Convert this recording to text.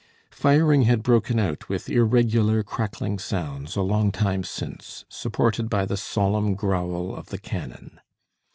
Firing had broken out with irregular crackling sounds, a long time since, supported by the solemn growl of the cannon.